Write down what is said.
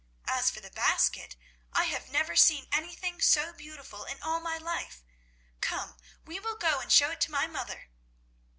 As for the basket, I have never seen anything so beautiful in all my life. Come, we will go and show it to my mother."